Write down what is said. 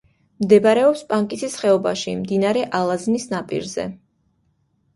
მდებარეობს პანკისის ხეობაში, მდინარე ალაზნის ნაპირზე.